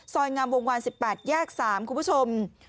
งามวงวาน๑๘แยก๓คุณผู้ชม